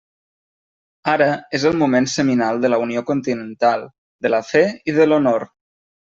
Ara és el moment seminal de la unió continental, de la fe i de l'honor.